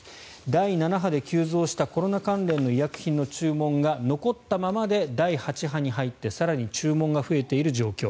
第７波で急増したコロナ関連の医薬品の注文が残ったままで第８波に入って更に注文が増えている状況。